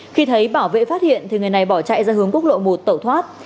khi thấy bảo vệ phát hiện thì người này bỏ chạy ra hướng quốc lộ một tẩu thoát